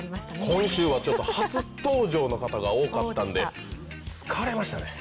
今週は初登場の方が多かったので疲れましたね。